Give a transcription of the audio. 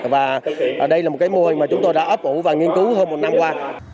và đây là một cái mô hình mà chúng tôi đã ấp ủ và nghiên cứu hơn một năm qua